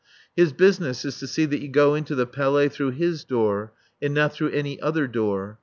His business is to see that you go into the Palais through his door and not through any other door.